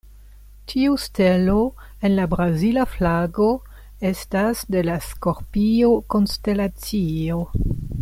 Tiu stelo en la Brazila flago estas de la Skorpio konstelacio.